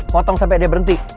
potong sampe dia berhenti